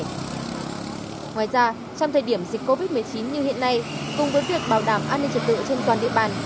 ngoài ra trong thời điểm dịch covid một mươi chín như hiện nay cùng với việc bảo đảm an ninh trật tự trên toàn địa bàn